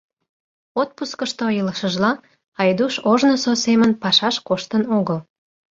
Отпускышто илышыжла, Айдуш ожнысо семын пашаш коштын огыл.